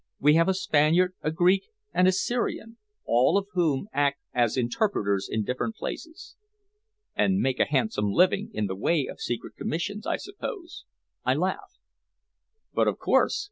We have a Spaniard, a Greek, and a Syrian, all of whom act as interpreters in different places." "And make a handsome thing in the way of secret commissions, I suppose?" I laughed. "Of course.